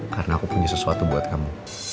karena aku punya sesuatu buat kamu